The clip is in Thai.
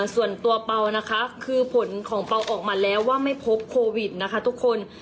ส่วนตัวเปล่านะคะคือผลของเปล่าออกมาแล้วว่าไม่พบโควิดนะคะทุกคน